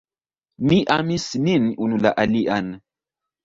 Ni amis nin unu la alian.